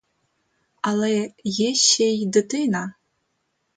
Але є ще й дитина.